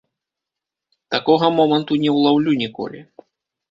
Такога моманту не ўлаўлю ніколі!